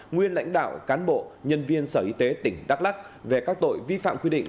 nguyên lãnh đạo cán bộ nhân viên sở y tế tỉnh đắk lắc về các tội vi phạm quy định